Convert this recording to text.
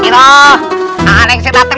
terima kasih raden